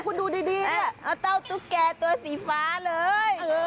คุณดูดีเอาเต้าตุ๊กแก่ตัวสีฟ้าเลย